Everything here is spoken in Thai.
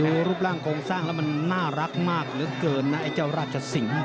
ดูรูปร่างโครงสร้างตรงนั้นมันน่ารักมากเหนือกันไอ้เจ้าราชสิง